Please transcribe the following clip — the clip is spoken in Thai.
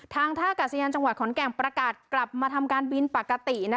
ท่ากาศยานจังหวัดขอนแก่นประกาศกลับมาทำการบินปกติ